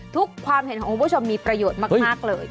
ความเห็นของคุณผู้ชมมีประโยชน์มากเลย